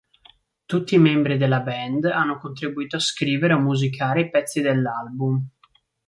Tutti i membri della band hanno contribuito a scrivere o musicare i pezzi dell'album.